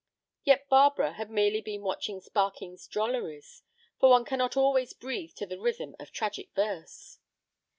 Yet Barbara had merely been watching Sparkin's drolleries, for one cannot always breathe to the rhythm of tragic verse.